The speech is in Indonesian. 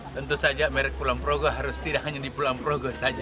tentu saja merek kulon progo harus tidak hanya di kulon progo saja